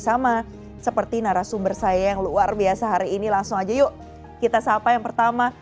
sama seperti narasumber saya yang luar biasa hari ini langsung aja yuk kita sapa yang pertama